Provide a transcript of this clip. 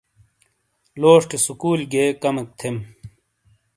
لوسشے سکول گیے کیمک تھیم ۔